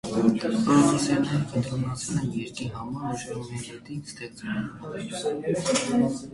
Պրոդյուսերները կենտրոնացել էին երգի համար ուժեղ մեղեդի ստեղծելու վրա։